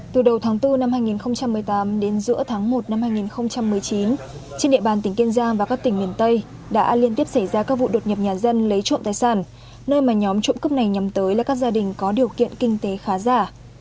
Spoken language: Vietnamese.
từ đầu tháng bốn năm hai nghìn một mươi tám đến giữa tháng một năm hai nghìn một mươi chín trên địa bàn tỉnh kiên giang và các tỉnh miền tây đã liên tiếp xảy ra các vụ đột nhập nhà dân lấy trộm tài sản nơi mà nhóm trộm cắp này nhắm tới là các gia đình có điều kiện kinh tế khá giả